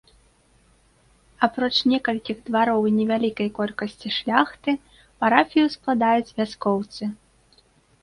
Апроч некалькіх двароў і невялікай колькасці шляхты, парафію складаюць вяскоўцы.